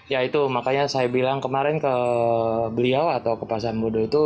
ya itu makanya saya bilang kemarin ke beliau atau ke pak sambodo itu